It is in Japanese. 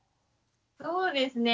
そうですね。